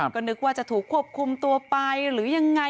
ก็นึกว่าจะถูกควบคุมตัวไปหรือยังไง